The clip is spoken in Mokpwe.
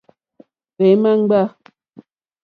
Tɔ̀ímá ŋɡbâ.